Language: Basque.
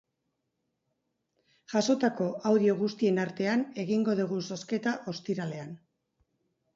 Jasotako audio guztien artean egingo dugu zozketa ostiralean.